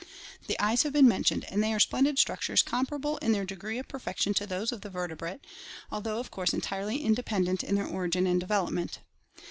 The eyes have been mentioned and they are splen did structures comparable in their degree of perfection to those of the vertebrate, although of course entirely independent in their origin and development.